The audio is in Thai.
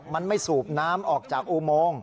มันไม่สูบน้ำออกจากอุโมง